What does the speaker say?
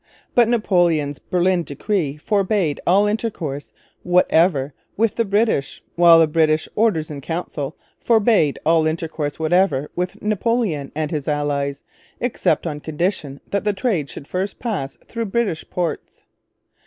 But Napoleon's Berlin Decree forbade all intercourse whatever with the British, while the British Orders in Council forbade all intercourse whatever with Napoleon and his allies, except on condition that the trade should first pass through British ports.